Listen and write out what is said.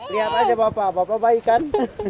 lihat aja pak pak pak pak baik kan